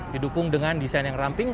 didukung dengan desain yang ramping